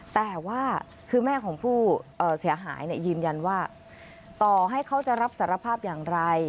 แต่ว่าคือแม่ของผู้เสียหายยืนยันว่าต่อให้เขาจะรับสารภาพอย่างไร